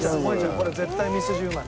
これ絶対ミスジうまい。